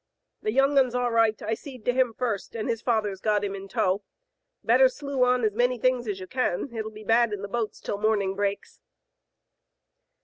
"The young un's all right, I seed to him first, and his father'^ got him in tow. Better slew on as many things as you can. It'll be bad in the boats till morning breaks."